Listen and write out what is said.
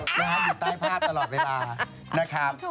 อยู่ใต้ภาพตลอดเวลานะครับ